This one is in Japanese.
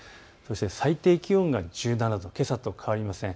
最低気温が１７度とけさと変わりません。